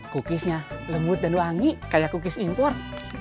kukisnya lembut dan wangi kayak kukis impor